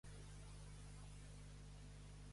Què pensa un altre forense sobre què va ocórrer a l'avió?